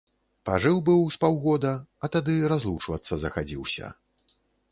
Пажыў быў з паўгода, а тады разлучвацца захадзіўся.